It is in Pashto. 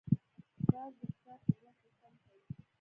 باز د ښکار پر وخت غوسه نه کوي